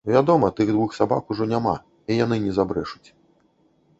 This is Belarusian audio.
Вядома, тых двух сабак ужо няма і яны не забрэшуць.